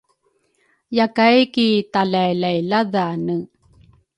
Yakay ki talailailadhane